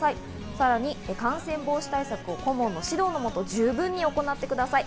さらに感染防止対策を顧問の指導の下、十分に行ってください。